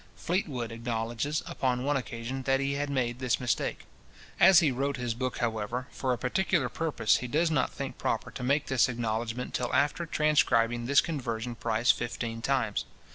Fleetwood acknowledges, upon one occasion, that he had made this mistake. As he wrote his book, however, for a particular purpose, he does not think proper to make this acknowledgment till after transcribing this conversion price fifteen times.